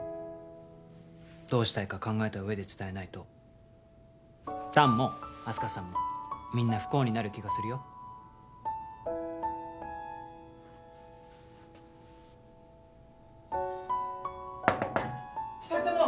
どうしたいか考えた上で伝えないと弾もあす花さんもみんな不幸になる気がするよ二人とも！